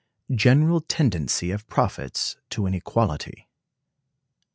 General Tendency of Profits to an Equality.